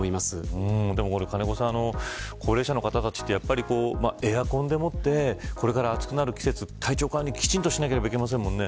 金子さん、高齢者の方たちはエアコンでもって、これから暑くなる季節、体調管理をきちんとしなければいけませんよね。